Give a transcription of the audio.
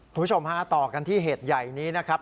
คุณผู้ชมฮะต่อกันที่เหตุใหญ่นี้นะครับ